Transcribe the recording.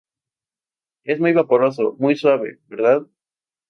es muy vaporoso, muy suave, ¿ verdad?